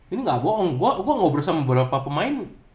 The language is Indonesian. ini gak bohong gue ngobrol sama beberapa pemain